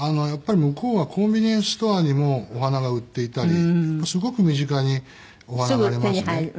やっぱり向こうはコンビニエンスストアにもお花が売っていたりすごく身近にお花がありますね。